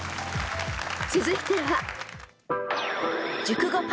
［続いては］